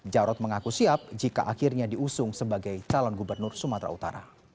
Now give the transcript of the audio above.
jarod mengaku siap jika akhirnya diusung sebagai calon gubernur sumatera utara